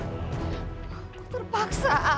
aku terpaksa pak